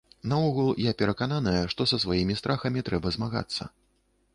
Наогул, я перакананая, што са сваімі страхамі трэба змагацца.